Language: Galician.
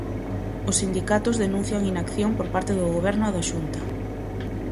Os sindicatos denuncian inacción por parte do Goberno e da Xunta.